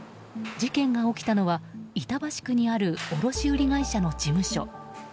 事件が起きたのは板橋区にある卸売会社の事務所。